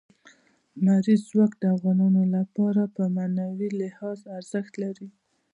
لمریز ځواک د افغانانو لپاره په معنوي لحاظ ارزښت لري.